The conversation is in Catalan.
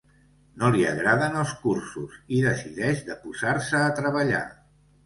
No li agraden els cursos, i decideix de posar-se a treballar.